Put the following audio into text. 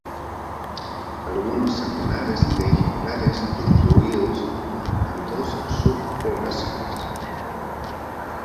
Algunos centenares de ejemplares distribuidos en dos subpoblaciones.